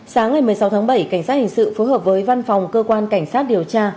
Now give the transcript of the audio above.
sáng ngày một mươi sáu tháng bảy cảnh sát hình sự phối hợp với văn phòng cơ quan cảnh sát điều tra